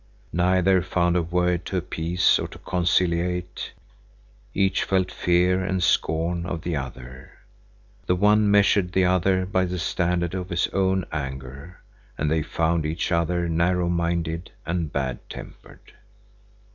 Neither found a word to appease or to conciliate; each felt fear and scorn of the other. The one measured the other by the standard of his own anger, and they found each other narrow minded and bad tempered.